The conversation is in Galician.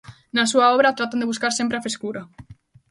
Na súa obra tratan de buscar sempre a frescura.